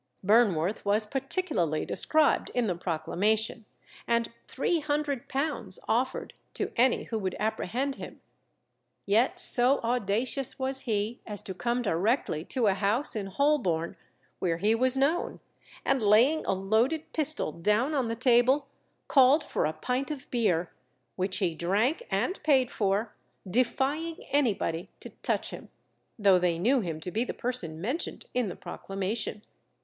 Burnworth was particularly described in the proclamation, and three hundred pounds offered to any who would apprehend him; yet so audacious was he as to come directly to a house in Holborn, where he was known, and laying a loaded pistol down on the table, called for a pint of beer, which he drank and paid for, defying anybody to touch him, though they knew him to be the person mentioned in the proclamation.